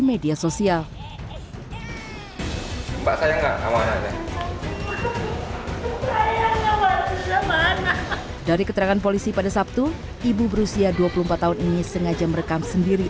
media sosial dari keterangan polisi pada sabtu ibu berusia dua puluh empat tahun ini sengaja merekam sendiri